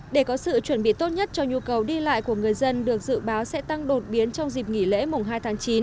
để có sự chuẩn bị tốt nhất cho nhu cầu đi lại của người dân được dự báo sẽ tăng đột biến trong dịp nghỉ lễ mùng hai tháng chín